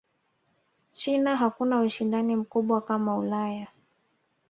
china hakuna ushindani mkubwa kama Ulaya